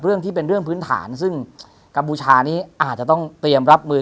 เรื่องที่เป็นเรื่องพื้นฐานซึ่งกัมพูชานี้อาจจะต้องเตรียมรับมือ